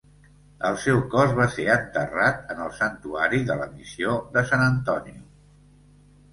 El seu cos va ser enterrat en el santuari de la Missió de San Antonio.